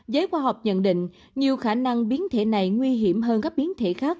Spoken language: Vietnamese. giới khoa học nhận định nhiều khả năng biến thể này nguy hiểm hơn các biến thể khác